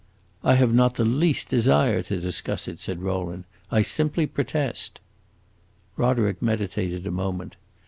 "I have not the least desire to discuss it," said Rowland. "I simply protest." Roderick meditated a moment.